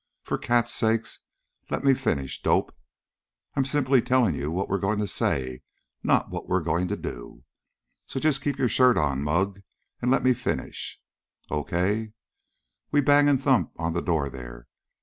"For cat's sakes, let me finish, dope! I'm simply telling you what we're going to say, not what we're going to do! So just keep your shirt on, mug, and let me finish. Okay! We bang and thump on the door there.